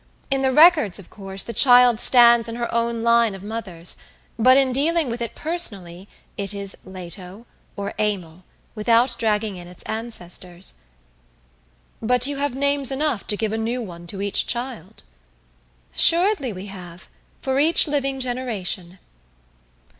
In the records, of course, the child stands in her own line of mothers; but in dealing with it personally it is Lato, or Amel, without dragging in its ancestors." "But have you names enough to give a new one to each child?" "Assuredly we have, for each living generation."